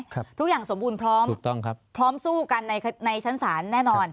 ครับถูกต้องครับทุกอย่างสมบูรณ์พร้อมพร้อมสู้กันในชั้นศาลแน่นอน